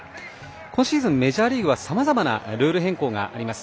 今シーズン、メジャーリーグはさまざまなルール変更があります。